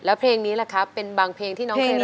แล้วเพลงนี้ล่ะครับเป็นบางเพลงที่น้องเคยร้องไหม